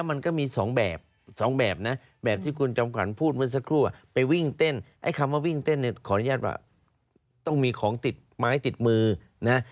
มาให้ติดมือนะฮะ